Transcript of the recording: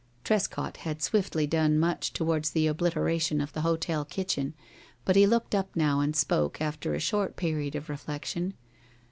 Trescott had swiftly done much towards the obliteration of the hotel kitchen, but he looked up now and spoke, after a short period of reflection.